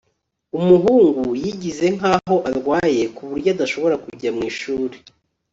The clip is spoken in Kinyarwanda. umuhungu yigize nkaho arwaye kuburyo adashobora kujya mwishuri